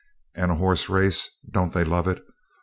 And a horse race, don't they love it?